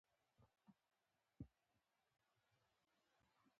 دا پل د زاینده رود پر سر دی.